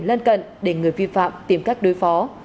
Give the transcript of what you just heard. lân cận để người vi phạm tìm cách đối phó